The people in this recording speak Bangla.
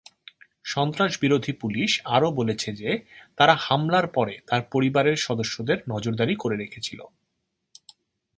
সন্ত্রাসবিরোধী পুলিশ আরও বলেছে যে তারা হামলার পরে তার পরিবারের সদস্যদের নজরদারি করে রেখেছিল।